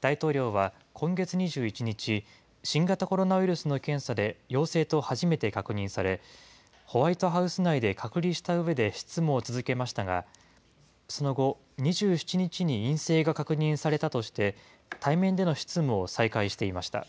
大統領は今月２１日、新型コロナウイルスの検査で陽性と初めて確認され、ホワイトハウス内で隔離したうえで執務を続けましたが、その後、２７日に陰性が確認されたとして、対面での執務を再開していました。